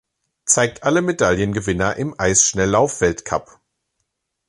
Zeigt alle Medaillengewinner im Eisschnelllauf-Weltcup.